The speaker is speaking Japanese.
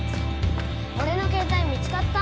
俺の携帯見つかった？